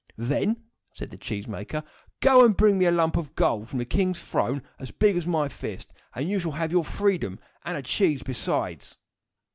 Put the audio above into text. "Then," said the cheese maker, "go and bring me a lump of gold from the king's throne as big as my fist, and you shall have your freedom and a cheese besides."